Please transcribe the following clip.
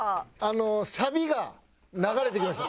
サビが流れてきました。